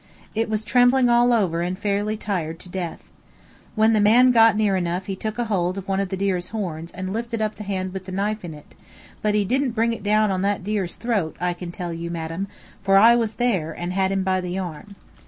It was trembling all over and fairly tired to death. When the man got near enough he took hold of one of the deer's horns and lifted up the hand with the knife in it, but he didn't bring it down on that deer's throat, I can tell you, madam, for I was there and had him by the arm.